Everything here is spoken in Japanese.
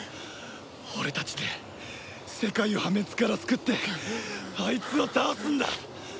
俺たちで世界を破滅から救ってあいつを倒すんだ！